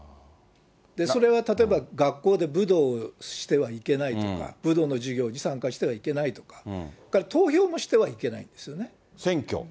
それは例えば、学校で武道をしてはいけないとか、武道の授業に参加してはいけないとか、投票もしてはいけないんですよね。